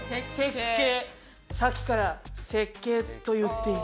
さっきから設計と言っている。